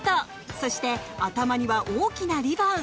そして頭には、大きなリボン。